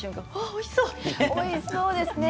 おいしそうですね。